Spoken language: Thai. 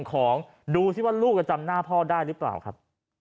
ของดูสิว่าลูกจะจำหน้าพ่อได้หรือเปล่าครับ